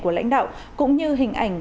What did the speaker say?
của lãnh đạo cũng như hình ảnh